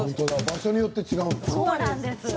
場所によって違うんだ。